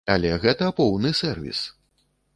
Але гэта поўны сэрвіс.